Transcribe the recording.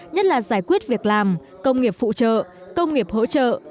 nhất là giải quyết việc làm công nghiệp phụ trợ công nghiệp hỗ trợ